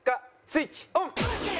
スイッチオン！